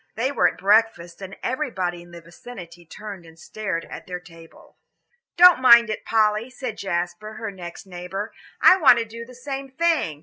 They were at breakfast, and everybody in the vicinity turned and stared at their table. "Don't mind it, Polly," said Jasper, her next neighbour, "I want to do the same thing.